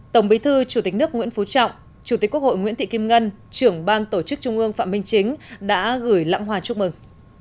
tổng bí thư chủ tịch nước nguyễn phú trọng chủ tịch quốc hội nguyễn thị kim ngân trưởng ban tổ chức trung ương phạm minh chính đã gửi lãng hòa chúc mừng